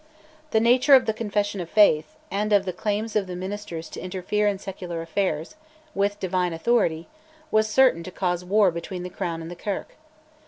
The nature of the Confession of Faith, and of the claims of the ministers to interfere in secular affairs, with divine authority, was certain to cause war between the Crown and the Kirk.